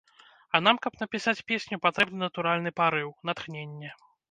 А нам, каб напісаць песню, патрэбны натуральны парыў, натхненне.